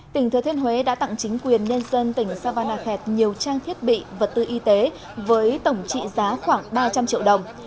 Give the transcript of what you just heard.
tỉnh thừa thiên huế đã tặng chính quyền nhân dân tỉnh savanakhet nhiều trang thiết bị vật tư y tế với tổng trị giá khoảng ba trăm linh triệu đồng